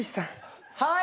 はい！